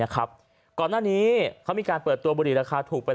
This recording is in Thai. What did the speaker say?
ก่อนหน้านี้เขามีการเปิดตัวบุหรี่ราคาถูกไป